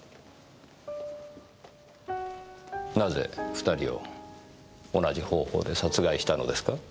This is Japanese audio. なぜ２人を同じ方法で殺害したのですか？